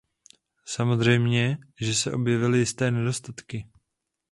Samozřejmě že se objevily jisté nedostatky.